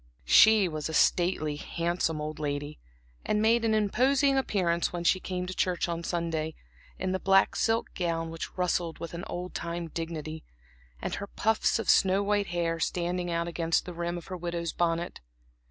She was a stately, handsome old lady, and made an imposing appearance when she came into church on Sunday, in the black silk gown which rustled with an old time dignity, and her puffs of snow white hair standing out against the rim of her widow's bonnet.